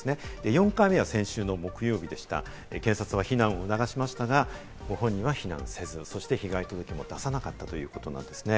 ４回目は先週の木曜日、警察が避難を促しましたが、本人は避難せず、被害届も出さなかったということなんですね。